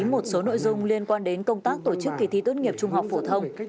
một số nội dung liên quan đến công tác tổ chức kỳ thi tốt nghiệp trung học phổ thông